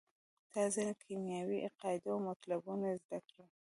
تاسې ځینې کیمیاوي قاعدې او مطلبونه زده کړل.